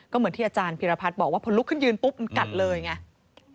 ก็เหมือนที่อาจารย์พิรพัฒน์บอกว่าพอลุกขึ้นยืนปุ๊บมันกัดเลยไง